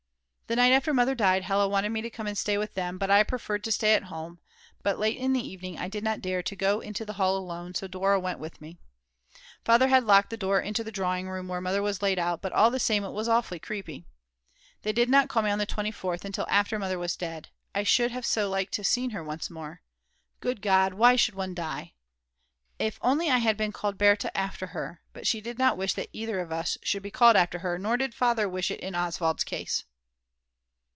The night after Mother died Hella wanted me to come and stay with them, but I preferred to stay at home; but late in the evening I did not dare to go into the hall alone, so Dora went with me. Father had locked the door into the drawing room, where Mother was laid out, but all the same it was awfully creepy. They did not call me on the 24th until after Mother was dead; I should have so liked to see her once more. Good God, why should one die? If only I had been called Berta after her; but she did not wish that either of us should be called after her, nor did Father wish it in Oswald's case.